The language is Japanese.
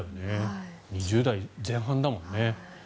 ２０代前半だもんね。